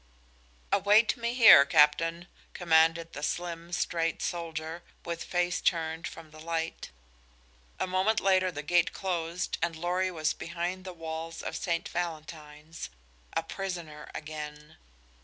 "Await me here, captain," commanded the slim, straight soldier, with face turned from the light. A moment later the gate closed and Lorry was behind the walls of St. Valentine's, a prisoner again.